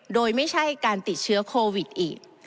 โดยไม่ใช่การติดเชื้อโควิดอีก